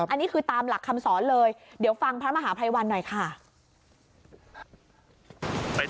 อันนี้คือตามหลักคำสอนเลยเดี๋ยวฟังพระมหาภัยวันหน่อยค่ะ